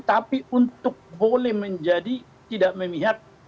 tapi untuk boleh menjadi tidak memihak